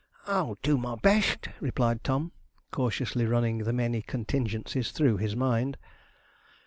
'I'll do my best,' replied Tom, cautiously running the many contingencies through his mind.